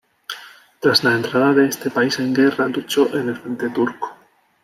Tras la entrada de este país en guerra luchó en el frente turco.